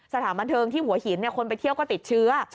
สถานบันเทิงที่หัวหินคนไปเที่ยวก็ติดเชื้อ